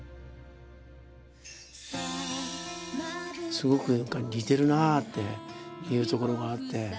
すごく似てるなあっていうところがあって。